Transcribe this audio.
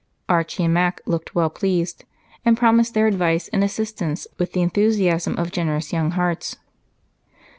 Archie and Mac looked well pleased and promised their advice and assistance with the enthusiasm of generous young hearts.